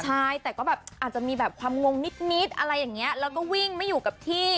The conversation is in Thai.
ใช่แต่ก็แบบอาจจะมีแบบความงงนิดอะไรอย่างนี้แล้วก็วิ่งไม่อยู่กับที่